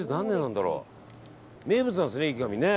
名物なんですよね、池上ね。